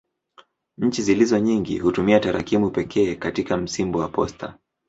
Nchi zilizo nyingi hutumia tarakimu pekee katika msimbo wa posta.